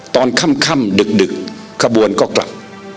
ตอนค่ำดึกขบวนก็กลับ